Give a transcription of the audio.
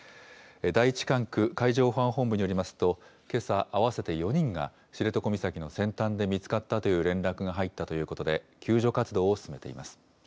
第１管区海上保安本部によりますと、けさ、合わせて４人が知床岬の先端で見つかったという連絡が入ったということで、救助活動を進めています。